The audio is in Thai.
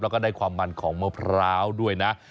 แล้วก็ได้ความมันของมะพร้าวด้วยนะ